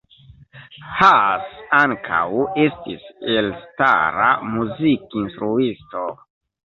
Haas ankaŭ estis elstara muzikinstruisto.